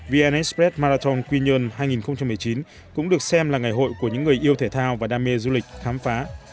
vn express marathon quy nhơn hai nghìn một mươi chín cũng được xem là ngày hội của những người yêu thể thao và đam mê du lịch khám phá